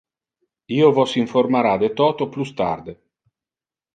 Io vos informara de toto plus tarde.